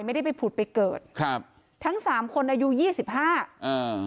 ไม่ได้ไปผุดไปเกิดครับทั้งสามคนอายุยี่สิบห้าอ่า